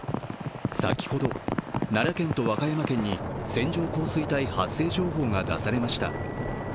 先ほど、奈良県と和歌山県に線状降水帯発生情報が出されました。